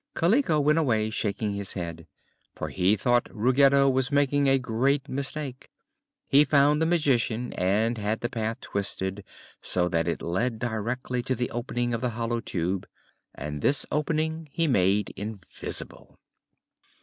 Kaliko went away shaking his head, for he thought Ruggedo was making a great mistake. He found the Magician and had the path twisted so that it led directly to the opening of the Hollow Tube, and this opening he made invisible.